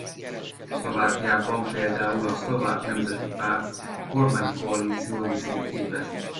Szlovákiában például a Szlovák Nemzeti Párt a kormánykoalíció részét képezi.